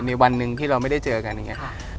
วันหนึ่งที่เราไม่ได้เจอกันอย่างนี้